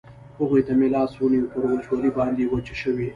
هغوی ته مې لاس ونیو، پر وچولې باندې وچه شوې.